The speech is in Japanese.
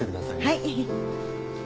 はい。